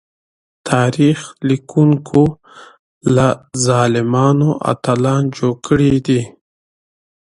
تاريخ ليکونکو له ظالمانو اتلان جوړ کړي دي.